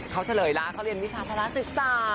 เขาเฉลยแล้วเขาเรียนวิชาภาระศึกษา